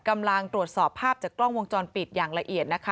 กำลังตรวจสอบภาพจากกล้องวงจรปิดอย่างละเอียดนะคะ